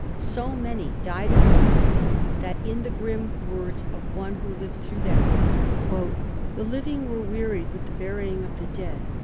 So many died of hunger, that in the grim words of one who lived through that time, ' the living were wearied with the burying of the dead.'